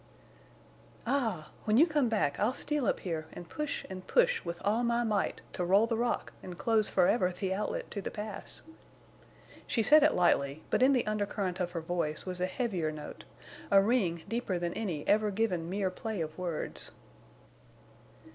"Ah! When you come back I'll steal up here and push and push with all my might to roll the rock and close forever the outlet to the Pass!" She said it lightly, but in the undercurrent of her voice was a heavier note, a ring deeper than any ever given mere play of words.